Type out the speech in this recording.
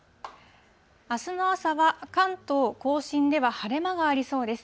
あすの朝は、関東甲信では晴れ間がありそうです。